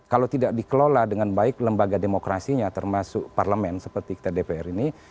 kalau tidak dikelola dengan baik lembaga demokrasinya termasuk parlemen seperti kita dpr ini